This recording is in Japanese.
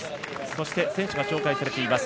そして、選手が紹介されています